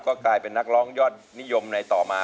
ก็กลายเป็นนักร้องยอดนิยมในต่อมา